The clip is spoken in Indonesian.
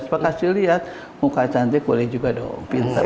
terus pak kasih lihat muka cantik boleh juga dong pinter